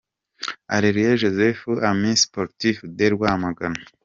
Areruya Joseph – Amis Sportifs de Rwamagana “”